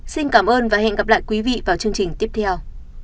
hẹn gặp lại các bạn trong những video tiếp theo